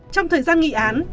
trong thời gian nghị án